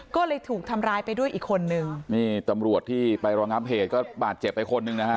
ก็เลยถูกทำร้ายไปด้วยอีกคนนึงนี่ตำรวจที่ไปรองับเหตุก็บาดเจ็บไปคนหนึ่งนะฮะ